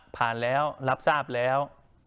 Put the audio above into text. ผ่านแล้วรับทราบแล้ว